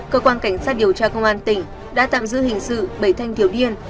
cơ quan cảnh sát điều tra công an tỉnh đã tạm giữ hình sự bảy thanh thiếu niên